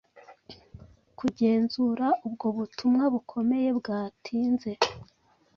Kugenzura ubwo butumwa bukomeye bwatinze,